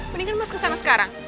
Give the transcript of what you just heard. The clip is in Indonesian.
mendingan mas kesana sekarang